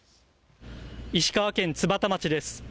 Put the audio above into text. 石川県津幡町です。